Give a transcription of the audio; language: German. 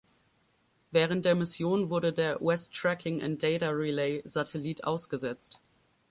Während der Mission wurde der "West Tracking and Data Relay" Satellit ausgesetzt.